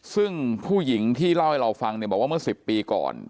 ซึ่งผู้หญิงที่เล่าให้เราฟังเนี่ยบอกว่าเมื่อ๑๐ปีก่อน